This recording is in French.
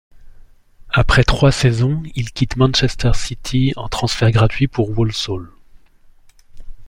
Après trois saisons, il quitte Manchester City en transfert gratuit pour Walsall.